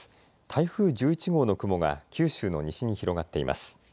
台風１１号の雲が九州の西に広がっています。